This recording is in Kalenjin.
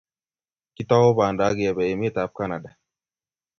Kitau panda akebe emet ab Canada.